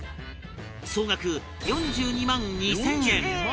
総額４２万２０００円